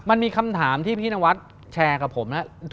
มันมีคำถามที่พี่นวัดแชร์กับผมนะ